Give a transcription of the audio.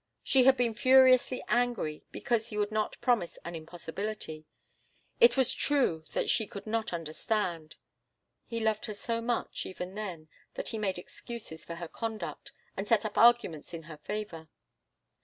She had been furiously angry because he would not promise an impossibility. It was true that she could not understand. He loved her so much, even then, that he made excuses for her conduct, and set up arguments in her favour.